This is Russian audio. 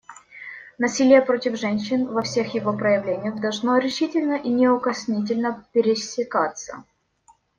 Насилие против женщин во всех его проявлениях должно решительно и неукоснительно пресекаться.